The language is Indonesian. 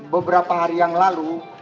beberapa hari yang lalu